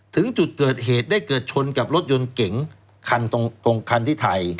ถึงจุดเกิดเหตุได้เกิดชนกับรถยนต์เก๋งคันตรงคันที่ไทย